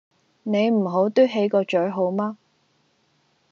你唔好嘟起個嘴好嗎?